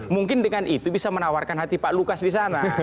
mungkin dengan itu bisa menawarkan hati pak lukas di sana